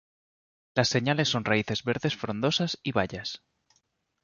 Las señales son raíces verdes frondosas, y bayas.